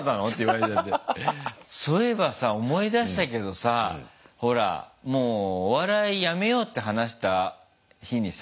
そういえばさ思い出したけどさほらもうお笑いやめようって話した日にさ。